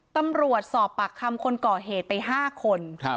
ตำรวจสอบปากคำคนก่อเหตุไป๕คน